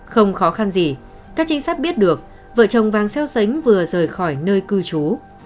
không khó khăn gì các trinh sát biết được vợ chồng vàng xeo xánh vừa rời khỏi nơi cư trú